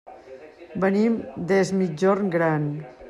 Venim des Migjorn Gran.